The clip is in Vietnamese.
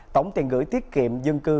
tổng tiền gửi tiết kiệm dân cư